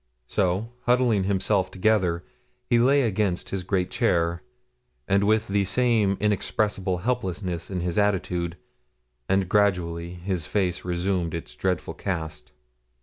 So, huddling himself together, he lay again in his great chair, with the same inexpressible helplessness in his attitude, and gradually his face resumed its dreadful cast.